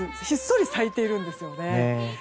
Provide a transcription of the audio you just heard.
ひっそり咲いているんですよね。